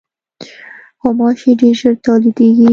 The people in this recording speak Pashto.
غوماشې ډېر ژر تولیدېږي.